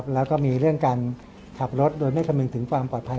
แล้วก็มีเรื่องการขับรถโดยไม่คำนึงถึงความปลอดภัย